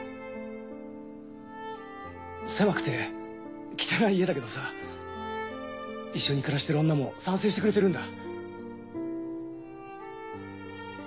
狭くて汚い家だけどさ一緒に暮らしてる女も賛成してくれてるんだ。